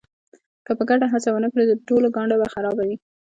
که په ګډه هڅه ونه کړو د ټولو ګانده به خرابه وي.